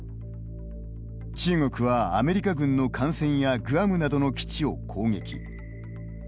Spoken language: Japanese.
中国は、アメリカ軍の艦船やグアムなどの基地を攻撃。